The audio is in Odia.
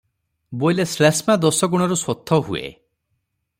ବୋଇଲେ ଶ୍ଳେଷ୍ମା ଦୋଷ ଗୁଣରୁ ଶୋଥ ହୁଏ ।